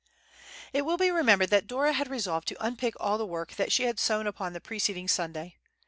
It will be remembered that Dora had resolved to unpick all the work that she had sewn upon the preceding Sunday.